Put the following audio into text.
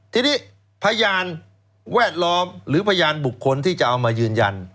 ทีนี้พยานแวดล้อมหรือพยานบุคคลที่จะเอามายืนยัน